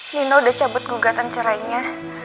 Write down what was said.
nino udah cabut gugatan cerainya